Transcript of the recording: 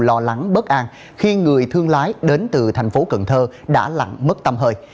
lo lắng bất an khi người thương lái đến từ thành phố cần thơ đã lặn mất tâm hơi